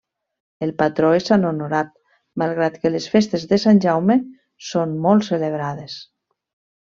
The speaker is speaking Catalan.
El patró és Sant Honorat, malgrat que les festes de Sant Jaume són molt celebrades.